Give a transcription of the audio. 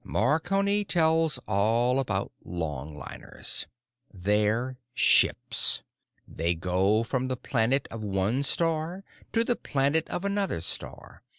"Marconi tells all about longliners. They're ships. They go from the planet of one star to the planet of another star.